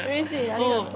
ありがとう。